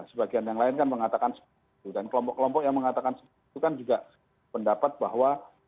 sebagian yang lain kan mengatakan seperti itu dan kelompok kelompok yang mengatakan seperti itu kan juga pendapat bahwa